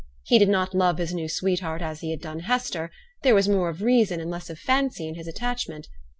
He did not love his new sweetheart as he had done Hester: there was more of reason and less of fancy in his attachment.